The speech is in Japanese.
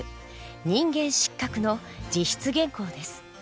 「人間失格」の自筆原稿です。